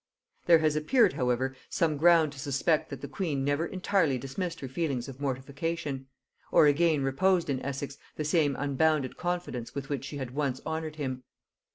There has appeared however some ground to suspect that the queen never entirely dismissed her feelings of mortification; or again reposed in Essex the same unbounded confidence with which she had once honored him.